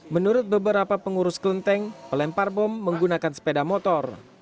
menurut beberapa pengurus kelenteng pelempar bom menggunakan sepeda motor